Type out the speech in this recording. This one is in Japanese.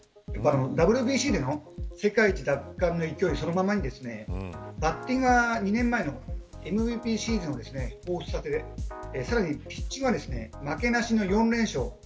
ＷＢＣでも、世界一奪還の勢いそのままにバッティングは２年前のＭＶＰシーズンをほうふつとさせるさらに、ピッチングは負けなしの４連勝。